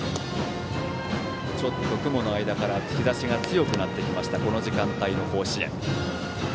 ちょっと雲の間から日ざしが強くなってきたこの時間帯の甲子園。